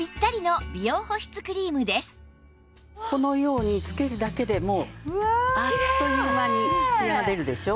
このようにつけるだけでもうあっという間にツヤ出るでしょ？